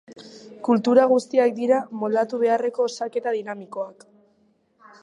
Kultura guztiak dira moldatu beharreko osaketa dinamikoak.